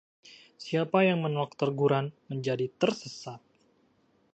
siapa yang menolak teguran menjadi tersesat.